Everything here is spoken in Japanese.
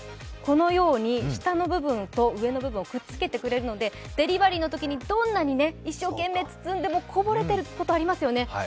このように下の部分と上の部分をくっつけてくれるのでデリバリーのときに、どんなに一生懸命包んでもこぼれてることありますよね。